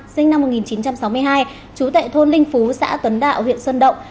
sinh năm một nghìn chín trăm sáu mươi hai trú tại thôn linh phú xã tuấn đạo huyện sơn động